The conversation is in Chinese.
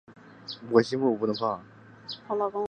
粮仓明器是其中一种汉代流行的明器。